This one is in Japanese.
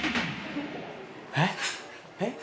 えっ？えっ？